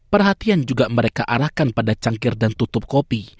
perhatian juga mereka arahkan pada cangkir dan tutup kopi